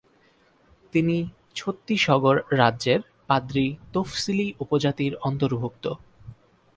তিনি ছত্তিসগড় রাজ্যের পাদ্রী তফসিলী উপজাতির অন্তর্ভুক্ত।